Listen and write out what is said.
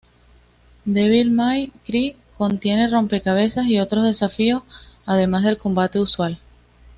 Devil May Cry contiene rompecabezas y otros desafíos además del combate usual.